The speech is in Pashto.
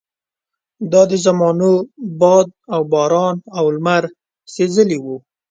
دا د زمانو باد او باران او لمر سېزلي وو.